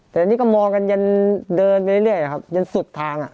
แต่นี่ก็มองกันยันเดินไปเรื่อยครับยันสุดทาง